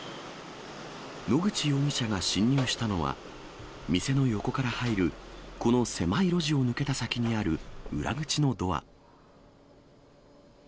野口容疑者が侵入したのは、店の横から入るこの狭い路地を抜けた先にある裏口のドア。